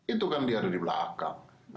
itu kan dia ada di belakang